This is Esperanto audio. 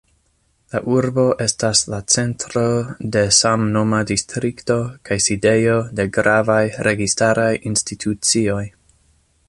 La urbo estas la centro de samnoma distrikto, kaj sidejo de gravaj registaraj institucioj.